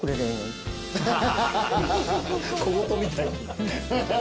小言みたいに。